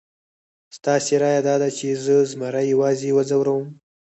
ستاسې رایه داده چې زه زمري یوازې وځوروم؟